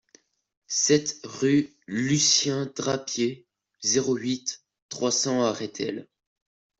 sept rue Lucien Drapier, zéro huit, trois cents à Rethel